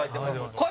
これ。